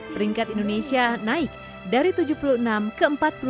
peringkat indonesia naik dari tujuh puluh enam ke empat puluh satu